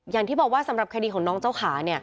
อย่างที่บอกว่าสำหรับคดีของน้องเจ้าขา